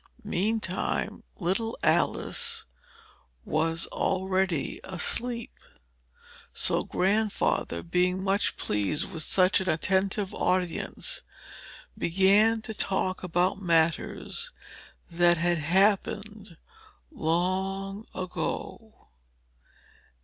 Meantime, little Alice was already asleep; so Grandfather, being much pleased with such an attentive audience, began to talk about matters that had happened long ago.